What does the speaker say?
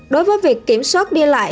đối với việc kiểm soát đi lại